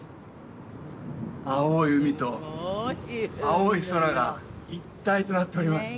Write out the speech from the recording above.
青い海と青い空が一体となっております